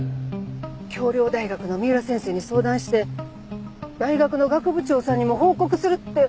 京陵大学の三浦先生に相談して大学の学部長さんにも報告するって。